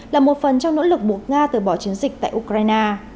là một phần trong nỗ lực buộc nga từ bỏ chiến dịch tại ukraine